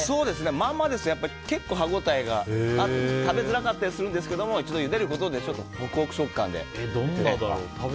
まんまですと結構、歯応えがあって食べづらかったりするんですけどゆでることでちょっとホクホク食感で。